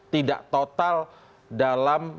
tidak total dalam